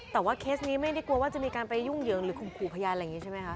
แต่ว่าเคสนี้ไม่ได้กลัวว่าจะมีการไปยุ่งเหยิงหรือข่มขู่พยานอะไรอย่างนี้ใช่ไหมคะ